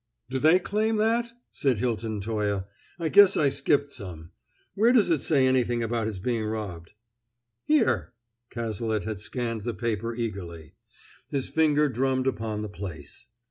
"Do they claim that?" said Hilton Toye. "I guess I skipped some. Where does it say anything about his being robbed?" "Here!" Cazalet had scanned the paper eagerly; his finger drummed upon the place.